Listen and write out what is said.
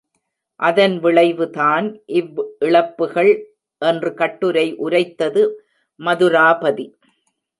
அதன் விளைவுதான் இவ் இழப்புகள் என்று கட்டுரை உரைத்தது மதுராபதி.